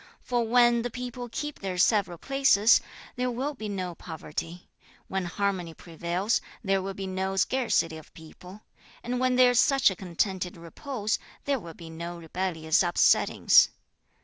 For when the people keep their several places, there will be no poverty; when harmony prevails, there will be no scarcity of people; and when there is such a contented repose, there will be no rebellious upsettings.